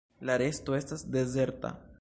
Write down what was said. La resto estas dezerta.